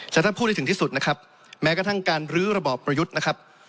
แต่ถ้าพูดให้ถึงที่สุดนะครับแม้กระทั่งการลื้อระบอบประยุทธ์นะครับ